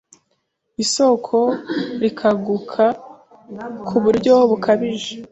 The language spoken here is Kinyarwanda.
isoko rikaguka kuburyo bukabije